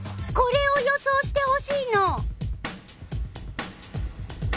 これを予想してほしいの。